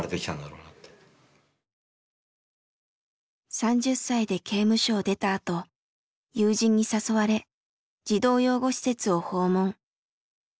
３０歳で刑務所を出たあと友人に誘われ児童養護施設を訪問。